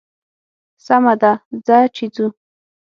سمه ده ځه چې ځو.